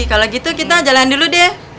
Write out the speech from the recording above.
kalau gitu kita jalan dulu deh